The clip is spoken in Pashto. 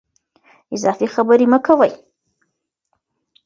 اضافي خبرې مه کوئ.